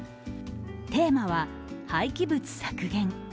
テーマは廃棄物削減。